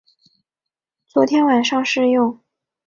昨天晚上试用